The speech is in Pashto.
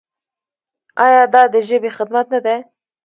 آیا دا د ژبې خدمت نه دی؟